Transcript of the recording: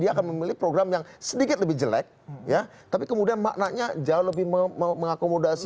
dia akan memilih program yang sedikit lebih jelek ya tapi kemudian maknanya jauh lebih mengakomodasi